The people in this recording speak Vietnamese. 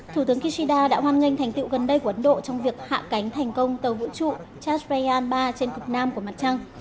thủ tướng kishida đã hoan nghênh thành tiệu gần đây của ấn độ trong việc hạ cánh thành công tàu vũ trụ chaspayan ba trên cục nam của mặt trăng